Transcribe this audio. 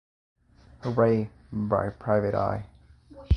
Wray" by "Private Eye".